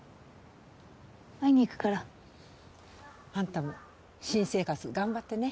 会いに行くから。あんたも新生活頑張ってね。